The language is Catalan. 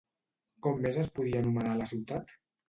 Com més es podia anomenar a la ciutat?